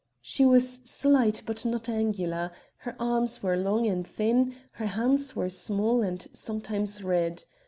She was slight but not angular, her arms were long and thin, her hands small and sometimes red.